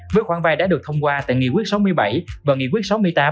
với khoản vay đã được thông qua tại nghị quyết sáu mươi bảy và nghị quyết sáu mươi tám